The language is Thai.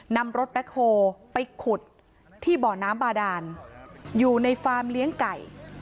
นำรถแบ็คโฮลไปขุดที่บ่อน้ำบาดานอยู่ในฟาร์มเลี้ยงไก่